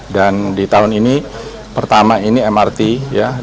dan di tahun ini pertama ini mrt beroperasi